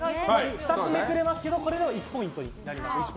２つめくれますけど１ポイントになります。